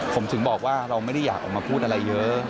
ผมถึงบอกว่าเราไม่ได้อยากออกมาพูดอะไรเยอะ